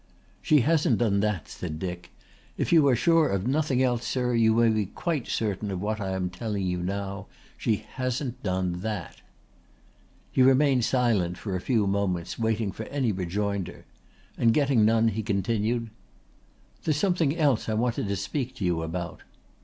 "She hasn't done that," said Dick. "If you are sure of nothing else, sir, you may be quite certain of what I am telling you now. She hasn't done that." He remained silent for a few moments waiting for any rejoinder, and getting none he continued: "There's something else I wanted to speak to you about."